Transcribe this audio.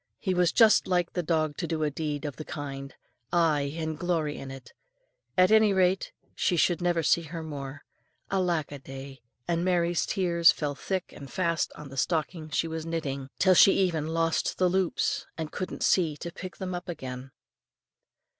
He was just like the dog to do a deed of the kind, aye, and glory in it; at any rate, she should never see her more. Alack a day! and Mary's tears fell thick and fast on the stocking she was knitting, till she even lost the loops, and couldn't see to pick them up again.